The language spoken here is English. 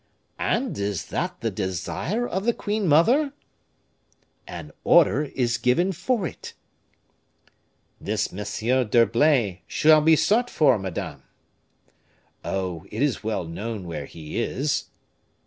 "And is that the desire of the queen mother?" "An order is given for it." "This Monsieur d'Herblay shall be sought for, madame." "Oh! it is well known where he is."